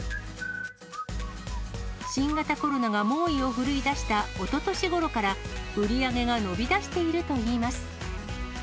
新型コロナが猛威を振るいだした、おととしごろから、売り上げが伸びだしているといいます。